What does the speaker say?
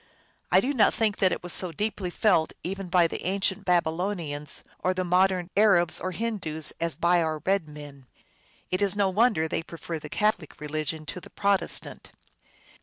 I do not think that it was so deeply felt even by the ancient Babylonians or the modern Arabs and Hindoos as by our red men. It is no wonder they prefer the Catholic religion to the Protestant.